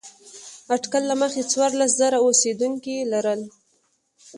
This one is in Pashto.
اټکل له مخې څوارلس زره اوسېدونکي لرل.